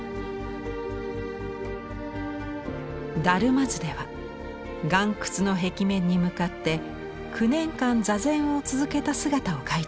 「達磨図」では岩窟の壁面に向かって９年間座禅を続けた姿を描いています。